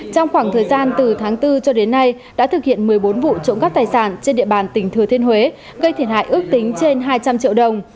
công an từ tháng bốn cho đến nay đã thực hiện một mươi bốn vụ trộm cắp tài sản trên địa bàn tỉnh thừa thiên huế gây thiệt hại ước tính trên hai trăm linh triệu đồng